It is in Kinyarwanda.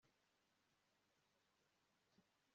neza akumva ntakosa afite